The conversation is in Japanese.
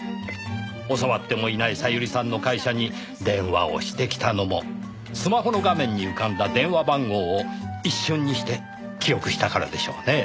教わってもいない小百合さんの会社に電話をしてきたのもスマホの画面に浮かんだ電話番号を一瞬にして記憶したからでしょうねぇ。